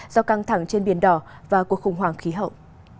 do căng thẳng trên biển đỏ và cuộc khủng hoảng khí hậu